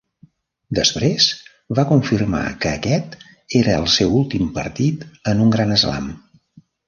Després, va confirmar que aquest era el seu últim partit en un gran slam.